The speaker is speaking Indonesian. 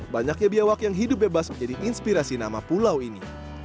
banyaknya biawak yang hidup bebas menjadi inspirasi nama pulau ini